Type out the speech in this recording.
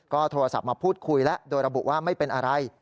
ก็โทรศัพท์มาพูดคุยแล้วโดยระบุว่าไม่เป็นอะไร